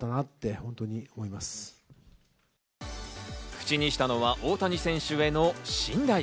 口にしたのは大谷選手への信頼。